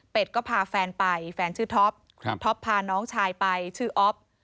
ก็พาแฟนไปแฟนชื่อท็อปท็อปพาน้องชายไปชื่ออ๊อฟ